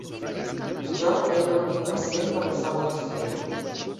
Jo era l'únic pacient de la sala d'espera.